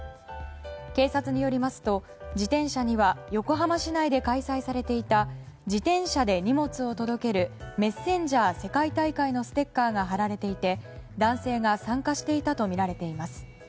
警察によりますと、自転車には横浜市内で開催されていた自転車で荷物を届けるメッセンジャー世界大会のステッカーが貼られていて男性が参加していたとみられています。